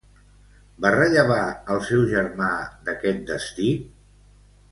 Va rellevar al seu germà d'aquest destí?